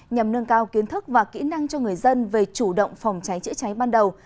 nhằm nâng cao kiến thức và kỹ năng cho người dân về chủ động phòng cháy chữa cháy ban đầu